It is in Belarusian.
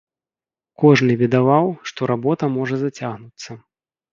Кожны бедаваў, што работа можа зацягнуцца.